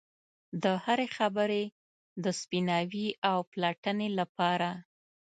د هرې خبرې د سپیناوي او پلټنې لپاره.